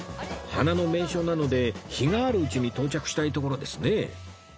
花の名所なので日があるうちに到着したいところですね